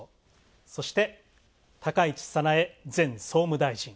そして、高市早苗前総務大臣。